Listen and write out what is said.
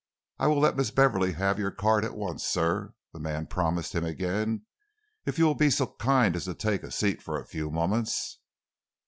"I will let Miss Beverley have your card at once, sir," the man promised him again, "if you will be so kind as to take a seat for a few moments."